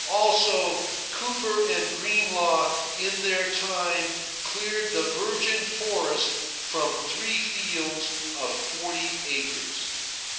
Also, Cooper and Greenlaw in their time cleared the virgin forest from three fields of forty acres.